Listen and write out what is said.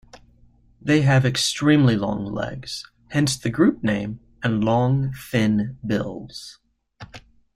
They have extremely long legs, hence the group name, and long thin bills.